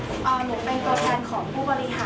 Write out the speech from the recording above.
เป็นตัวเองของผู้บริหารค่ะ